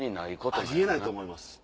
あり得ないと思います。